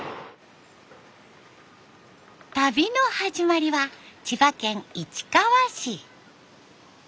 旅の始まりは千葉県市川市。